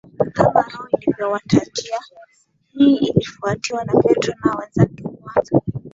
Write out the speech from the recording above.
kama Roho alivyowajalia Hii ilifuatiwa na Petro na wenzake kuanza